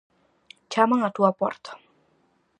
Chaman á túa porta.